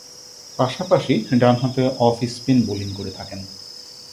পাশাপাশি ডানহাতে off spin bowling করে থাকেন।